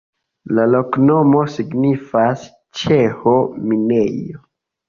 La loknomo signifas ĉeĥo-minejo.